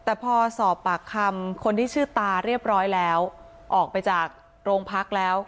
แต่พอสอบปากคำคนที่ชื่อตาเรียบร้อยแล้วออกไปจากโรงพักแล้ว